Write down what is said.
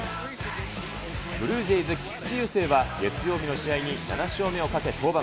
ブルージェイズ、菊池雄星は月曜日の試合に７勝目をかけ登板。